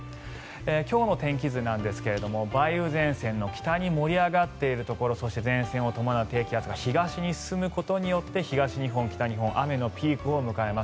今日の天気図ですが梅雨前線の北に盛り上がっているところそして前線を伴う低気圧が東に進むことによって東日本、北日本雨のピークを迎えます。